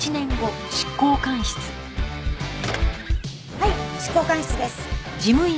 はい執行官室です。